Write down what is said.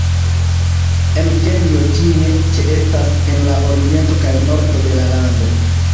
En Kenjo ĝi ne ĉeestas en la oriento kaj nordo de la lando.